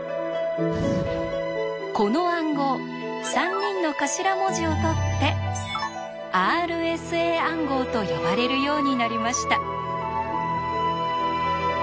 この暗号３人の頭文字をとって「ＲＳＡ暗号」と呼ばれるようになりました。